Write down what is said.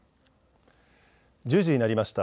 １０時になりました。